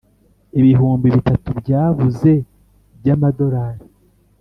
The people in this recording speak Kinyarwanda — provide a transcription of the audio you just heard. ibihumbi bitatu byabuze bya madorari